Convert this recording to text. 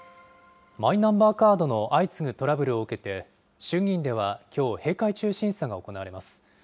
マイナンバーカードの相次ぐトラブルを受けて、衆議院ではきょう、閉会中審査が行われます。